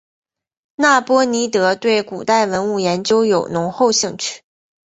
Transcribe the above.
那波尼德对古代文物研究有浓厚兴趣。